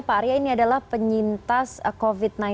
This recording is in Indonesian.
pak arya ini adalah penyintas covid sembilan belas